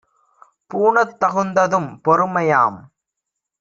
பூணத் தகுந்ததும் பொறுமையாம்!